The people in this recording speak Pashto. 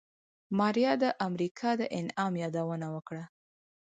ماريا د امريکا د انعام يادونه وکړه.